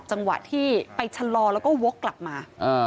จังหวะที่ไปชะลอแล้วก็วกกลับมา